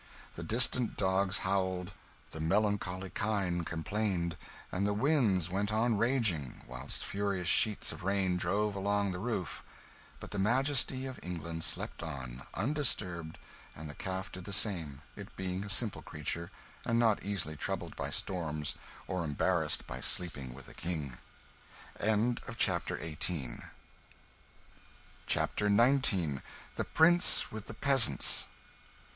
The distant dogs howled, the melancholy kine complained, and the winds went on raging, whilst furious sheets of rain drove along the roof; but the Majesty of England slept on, undisturbed, and the calf did the same, it being a simple creature, and not easily troubled by storms or embarrassed by sleeping with a king. CHAPTER XIX. The Prince with the peasants.